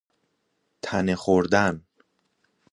تنه خوردن